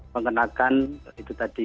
mengenakan itu tadi